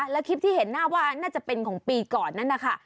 แล้วคลิปที่เห็นหน้าว่าน่าจะเป็นของปีก่อนนั้นนะคะ